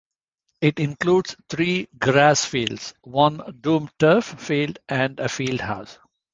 It includes three grass fields, one domed turf field and a field house.